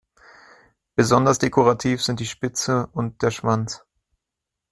Besonders dekorativ sind die Spitze und der Schwanz.